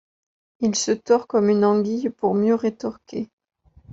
Il se tord comme une anguille pour mieux rétorquer.